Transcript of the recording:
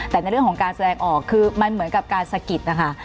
แต่ในเรื่องของการแสดงออกคือมันเหมือนกับการสะกิดนะคะ